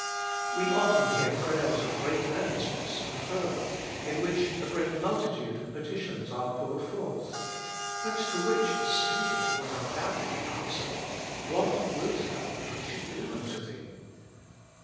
We often hear prayers of great earnestness and fervor, in which a multitude of petitions are poured forth, but to which the Saviour would undoubtedly answer " What wilt thou that I should do unto thee